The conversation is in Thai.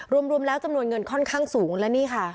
รวมแล้วจำนวนเงินค่อนข้างสูงและนี่ค่ะ